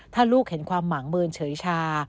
ถ้าลูกเห็นความหวังเมินเฉยชา